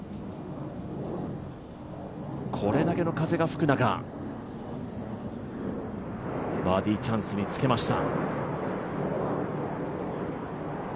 これだけの風が吹く中、バーディーチャンスにつけました。